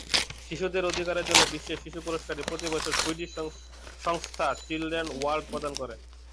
শিশুদের অধিকারের জন্য বিশ্বের শিশু পুরস্কারটি প্রতিবছর সুইডিশ সংস্থা চিলড্রেন ওয়ার্ল্ড প্রদান করে।